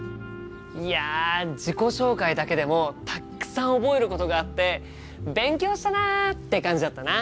いや自己紹介だけでもたくさん覚えることがあって勉強したなって感じだったな！